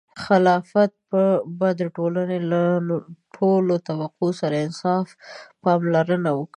خلافت به د ټولنې له ټولو طبقو سره د انصاف پاملرنه وکړي.